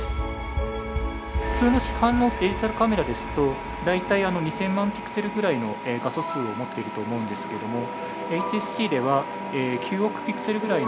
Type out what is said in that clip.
普通の市販のデジタルカメラですと大体２，０００万ピクセルぐらいの画素数を持っていると思うんですけれどもＨＳＣでは９億ピクセルぐらいの画素数を持っています。